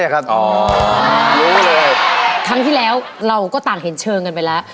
รู้เลยครั้งที่แล้วเราก็ต่างเห็นเชิงกันไปแล้ว